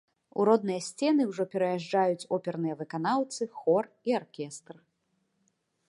У родныя сцены ўжо пераязджаюць оперныя выканаўцы, хор і аркестр.